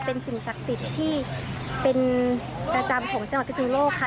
เป็นสิ่งศักดิ์ติดที่เป็นประจำของเจ้าหน้าพิศนุโลกค่ะ